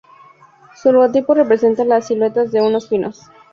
Su logotipo representa la silueta de unos pinos.